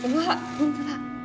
本当だ！